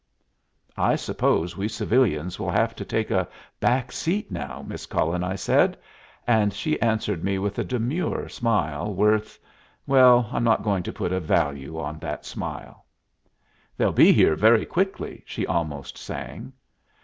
"I suppose we civilians will have to take a back seat now, Miss Cullen?" I said; and she answered me with a demure smile worth well, I'm not going to put a value on that smile. "They'll be here very quickly," she almost sang.